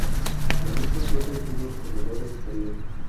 La misma suerte tuvo el corredor exterior.